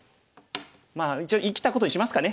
まあ一応生きたことにしますかね。